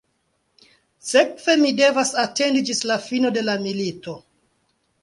Sekve mi devas atendi ĝis la fino de la milito.